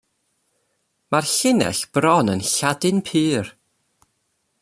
Mae'r llinell bron yn Lladin pur.